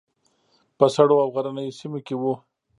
په سړو او غرنیو سیمو کې وو.